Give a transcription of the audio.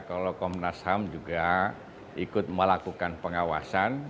kalau komnas ham juga ikut melakukan pengawasan